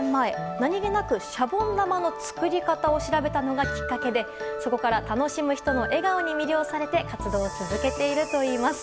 何気なくシャボン玉の作り方を調べたのがきっかけでそこから楽しむ人の笑顔に魅了されて活動を続けているといいます。